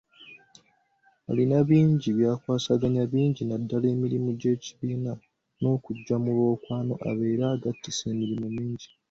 Alina bingi by'akwasaganya bingi naddala emirimu gy'ekibiina ng'okujja mu lwokaano abeera agattise emirimu mingi.